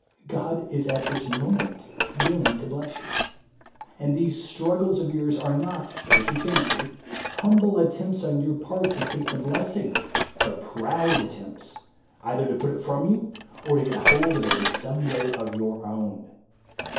God is at tlils moment willing to bless you ; and these struggles of yours are not, as you fancy, humble at tempts on your part to take the blessing, but proud attempts either to put it from you, or to get hold of it in some way of your own.